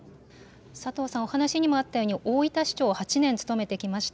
佐藤さん、お話にもあったように大分市長を８年務めてきました。